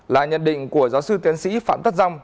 là nhận định của giáo sư tiến sĩ phạm tất dông